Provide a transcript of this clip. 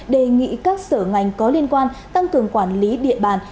đề nghị các sở ngành có liên quan tăng cường quản lý địa bàn